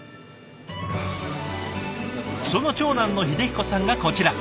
その長男の秀彦さんがこちら。